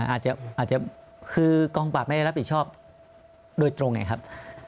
อาจจะคือกองปราบไม่ได้รับผิดชอบโดยตรงไงครับ